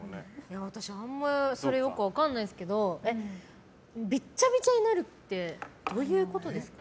私、あんまりよく分からないんですけどびっちゃびちゃになるってどういうことですか。